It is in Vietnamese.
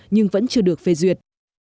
nhưng vẫn chưa được phê duyệt